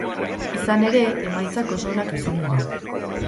Izan ere, emaitzak oso onak izan dira.